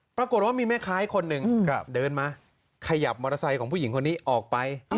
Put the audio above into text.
ปรากฏว่ามีแม่ค้าอีกคนนึงเดินมาขยับมอเตอร์ไซค์ของผู้หญิงคนนี้ออกไป